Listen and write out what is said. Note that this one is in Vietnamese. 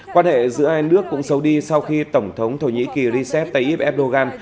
quan hệ giữa hai nước cũng xấu đi sau khi tổng thống thổ nhĩ kỳ recep tayyip erdogan